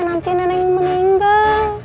nanti nenek meninggal